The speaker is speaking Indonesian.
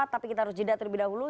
tapi kita harus jeda terlebih dahulu